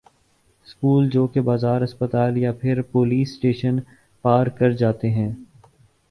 school ہو کہ بازار ہسپتال یا پھر پولیس اسٹیشن پار کر جاتے ہیں